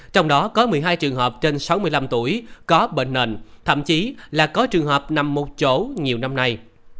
trong đó có một mươi hai trường hợp trên sáu mươi năm tuổi có bệnh nền thậm chí là có trường hợp nằm một chỗ nhiều năm nay